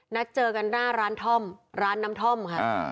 นัดเจอกันหน้าร้านท่อมร้านน้ำท่อมค่ะ